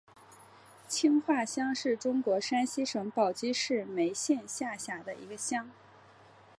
青化乡是中国陕西省宝鸡市眉县下辖的一个乡。